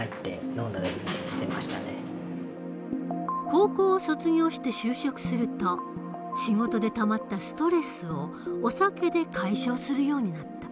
高校を卒業して就職すると仕事でたまったストレスをお酒で解消するようになった。